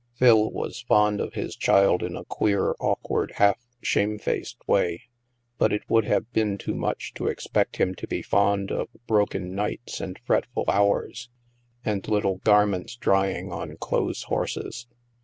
Phil was fond of his child in a queer, awkward, half shamefaced way. But it would have been too much to expect him to be fond of broken nights, and fretful hours, and little garments drying on clothes horses.